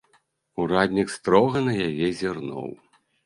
Ураднік строга на яе зірнуў.